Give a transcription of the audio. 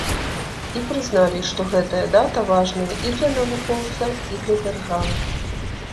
І прызналі, што гэтая дата важная і для навукоўца, і для дзяржавы.